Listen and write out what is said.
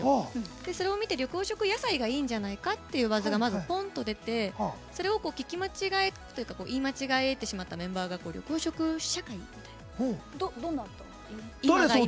それを見て緑黄色野菜がいいんじゃないかというワードがまず、ぽんと出てそれを聞き間違えというか言い間違えてしまったメンバーが緑黄色社会？みたいな。